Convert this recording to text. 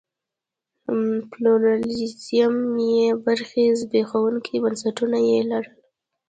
پلورالېزم بې برخې زبېښونکي بنسټونه یې لرل.